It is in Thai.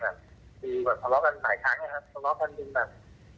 มีภาร้ากันหลายครั้งนะครับภาร้ากันเป็นแบบ